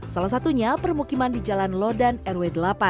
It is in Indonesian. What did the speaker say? salah satunya permukiman di jalan lodan rw delapan